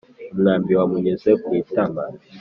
umwambi wamunyuze kwitama